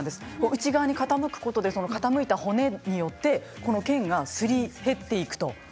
内側に傾くことで傾いた骨によってけんがすり減っていく。